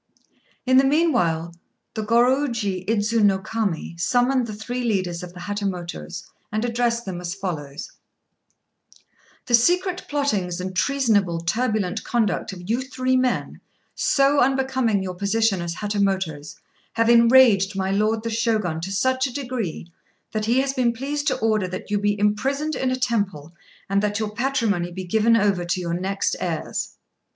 In the meanwhile the Gorôjiu Idzu no Kami summoned the three leaders of the Hatamotos and addressed them as follows "The secret plottings and treasonable, turbulent conduct of you three men, so unbecoming your position as Hatamotos, have enraged my lord the Shogun to such a degree, that he has been pleased to order that you be imprisoned in a temple, and that your patrimony be given over to your next heirs."